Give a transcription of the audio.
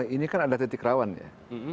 ini kan ada titik rawan ya